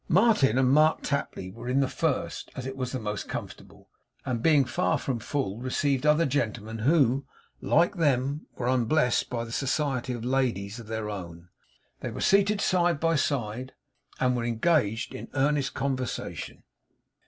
Martin and Mark Tapley were in the first, as it was the most comfortable; and, being far from full, received other gentlemen who, like them, were unblessed by the society of ladies of their own. They were seated side by side, and were engaged in earnest conversation.